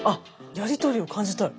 やり取りを感じたい。